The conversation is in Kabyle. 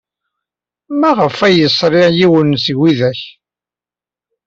Maɣef ay yesri yiwen seg widak?